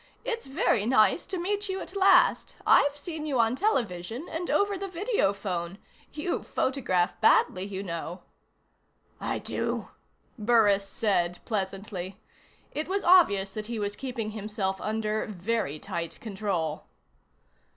It's very nice to meet you at last. I've seen you on television, and over the video phone. You photograph badly, you know." "I do?" Burris said pleasantly. It was obvious that he was keeping himself under very tight control.